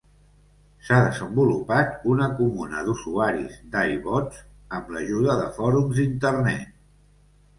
S'ha desenvolupat una comuna d'usuaris d'I-Bots amb l'ajuda de fòrums d'Internet.